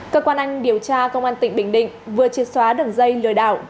cơ quan anh điều tra công an tỉnh bình định vừa triệt xóa đường dây lừa đảo